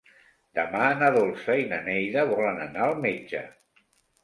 Demà na Dolça i na Neida volen anar al metge.